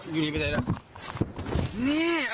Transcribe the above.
อยู่ดีไปไหนล่ะ